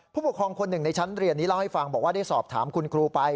ผู้ปกครองคนหนึ่งในชั้นเรียนนี้เล่าให้ฟังบอกว่าได้สอบถามคุณครูไป